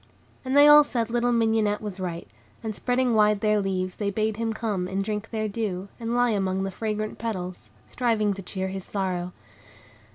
And they all said little Mignonette was right; and, spreading wide their leaves, they bade him come, and drink their dew, and lie among the fragrant petals, striving to cheer his sorrow.